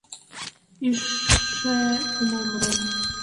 Ӱжшö кумыл мурем!